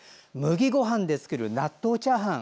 麦ごはんで作る納豆チャーハン。